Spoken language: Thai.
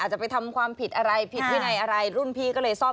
จะไปทำความผิดอะไรผิดวินัยอะไรรุ่นพี่ก็เลยซ่อม